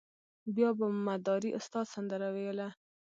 بیا به مداري استاد سندره ویله.